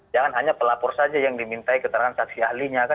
jangan hanya pelapor saja yang diminta keterangan taksi ahli